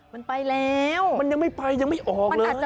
มันไปแล้วมันยังไม่ไปยังไม่ออก